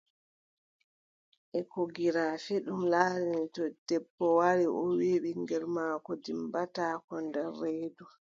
Ekogirafi, ɗum laarani to debbo wari o wii ɓiŋngel maako dimmbataako nder reedu,